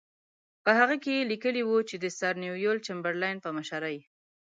په هغه کې یې لیکلي وو چې د سر نیویل چمبرلین په مشرۍ.